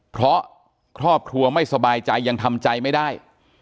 เพราะครอบครัวไม่สบายใจยังทำใจไม่ได้